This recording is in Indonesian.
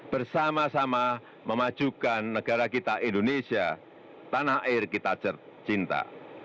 bersama sama memajukan negara kita indonesia tanah air kita cinta